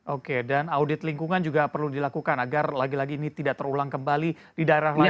oke dan audit lingkungan juga perlu dilakukan agar lagi lagi ini tidak terulang kembali di daerah lain